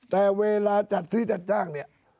แต่เวลาจัดซื้อจัดจ้างเนี่ย